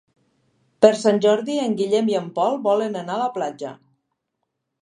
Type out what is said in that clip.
Per Sant Jordi en Guillem i en Pol volen anar a la platja.